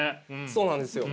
そうなんですよ。